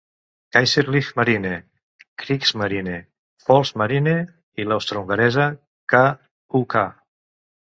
Kaiserliche Marine, Kriegsmarine, Volksmarine i l'Austrohongaresa K.u.K.